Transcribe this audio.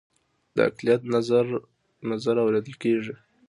د اقلیت نظر اوریدل کیږي؟